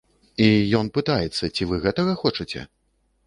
І ён пытаецца, ці вы гэтага хочаце?